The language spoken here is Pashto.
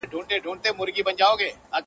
• لا پر ونو باندي نه ووګرځېدلی -